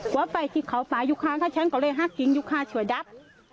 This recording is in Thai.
ก็ว่าไปที่เขาฝ่ายุคาถ้าฉันก็เลยฮักกิงอยู่ข้าวชวดับ